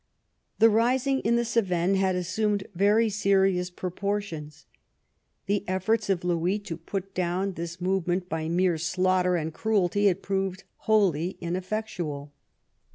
The rising in the Cevennes had assumed very seri ous proportions. The efforts of Louis to put down the 109 THE REIGN OF QUEEN ANNE movement by mere slaughter and cruelty had proved wholly inefFectual.